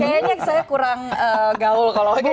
kayaknya saya kurang gaul kalau